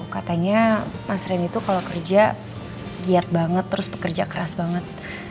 katanya mas randy tuh kalau kerja giat banget terus pekerja keras banget